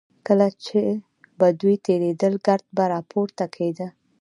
کله چې به دوی تېرېدل ګرد به راپورته کېده.